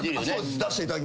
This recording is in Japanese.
出していただきました。